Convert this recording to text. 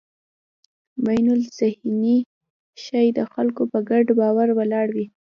بینالذهني شی د خلکو په ګډ باور ولاړ وي.